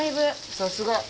さすが。